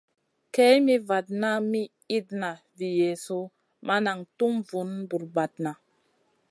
Kay mi vatna mi itna vi Yezu ma nan tum vun bra-bradna.